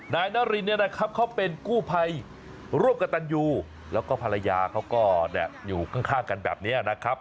นารีนเป็นกู้ไพรรูปกับตันยูแล้วก็ภรรยาเขาก็อยู่ข้างกันแบบนี้นะครับ